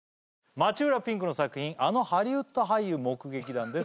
街裏ぴんくの作品「あのハリウッド俳優目撃談」です。